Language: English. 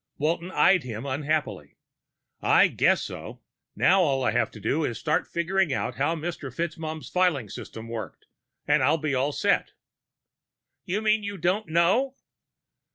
Walton eyed him unhappily. "I guess so. Now all I have to do is start figuring out how Mr. FitzMaugham's filing system worked, and I'll be all set." "You mean you don't know?"